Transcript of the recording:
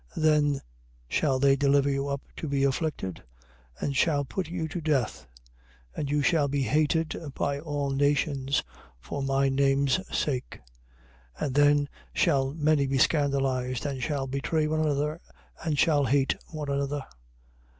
24:9. Then shall they deliver you up to be afflicted and shall put you to death: and you shall be hated by all nations for my name's sake. 24:10. And then shall many be scandalized and shall betray one another and shall hate one another.